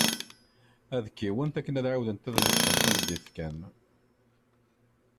Ad kiwent akken ad ɛiwdent ad mesxent tameddit kan.